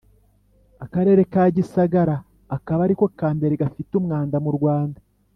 akarere ka gisagara akaba ariko kambere gafite umwanda mu rwanda